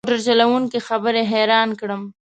موټر چلوونکي خبرې حیران کړم.